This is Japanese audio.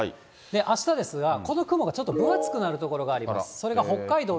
あしたですが、この雲がちょっと分厚くなる所があります。